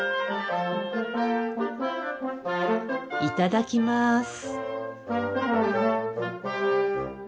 いただきます。